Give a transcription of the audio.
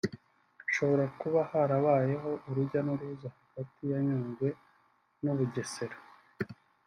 hashobora kuba harabayeho urujya n’uruza hagati ya Nyungwe n’Ubugesera